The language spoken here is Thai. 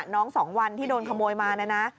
๒วันที่โดนขโมยมานะนะ